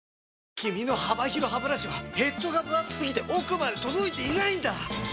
君の幅広ハブラシはヘッドがぶ厚すぎて奥まで届いていないんだ！